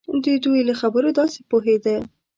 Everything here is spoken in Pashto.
د دوی له خبرو داسې پوهېده.